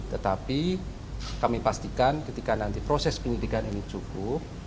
tetapi kami pastikan ketika nanti proses penyidikan ini cukup